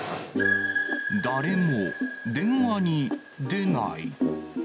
誰も電話に出ない。